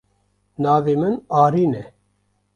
Navê min Arîn e.